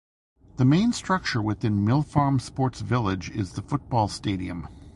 The main structure within Mill Farm Sports Village is the football stadium.